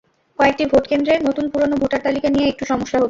কয়েকটি ভোট কেন্দ্রে নতুন পুরোনো ভোটার তালিকা নিয়ে একটু সমস্যা হচ্ছে।